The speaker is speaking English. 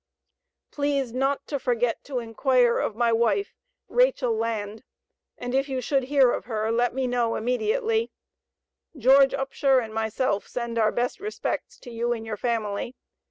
Please not to forget to inquire of my wife, Rachel Land, and if you should hear of her, let me know immediately, George Upshur and myself send our best respects to you and your family.